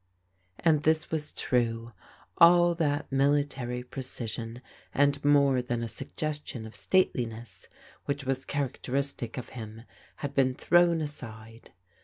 And this was true. All that military precision and more than a suggestion of stateliness which was char acteristic of him had been thrown aside.